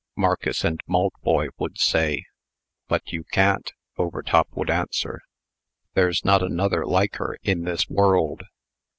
Marcus and Maltboy would say. "But you can't," Overtop would answer. "There's not another like her in this world."